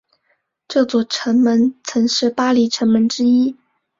这座城门曾是巴黎城门之一。